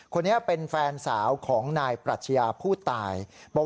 คนนี้เป็นแฟนสาวของนายปรัชญาผู้ตาย